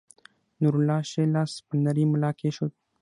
نورالله ښے لاس پۀ نرۍ ملا کېښود